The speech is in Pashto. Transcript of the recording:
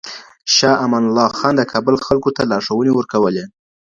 شاه امان الله خان د کابل خلکو ته لارښوونې ورکولې.